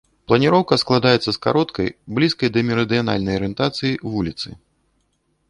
Планіроўка складаецца з кароткай, блізкай да мерыдыянальнай арыентацыі вуліцы.